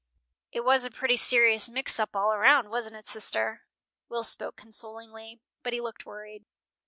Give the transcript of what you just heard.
"It was a pretty serious mix up all around, wasn't it, sister?" Will spoke consolingly, but he looked worried.